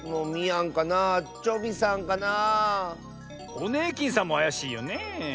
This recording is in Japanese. ホネーキンさんもあやしいよねえ。